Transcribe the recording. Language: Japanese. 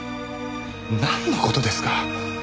なんの事ですか？